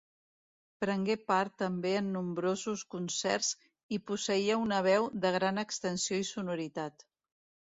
Prengué part també en nombrosos concerts i posseïa una veu de gran extensió i sonoritat.